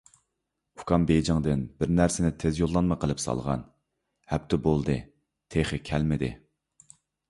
ئۇكام بېيجىڭدىن بىر نەرسىنى تېز يوللانما قىلىپ سالغان. ھەپتە بولدى، تېخى كەلمىدى.